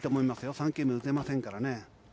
３球目、打てませんからね。